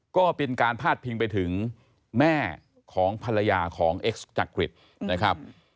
ก็เป็นการพาดพิงไปถึงแม่ของภรรยาของเอ็กซ์จักริตนะครับ